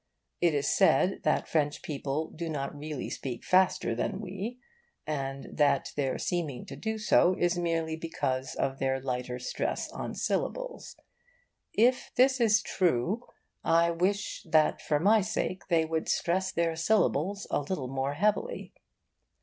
It is said that French people do not really speak faster than we, and that their seeming to do so is merely because of their lighter stress on syllables. If this is true, I wish that for my sake they would stress their syllables a little more heavily.